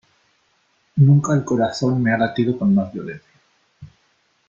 nunca el corazón me ha latido con más violencia .